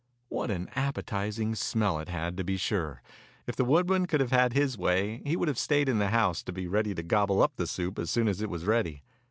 What an appetizing smell it had, to be sure! If the woodman could have had his way he would have stayed in the house to be ready to gobble up the soup as soon as it was ready.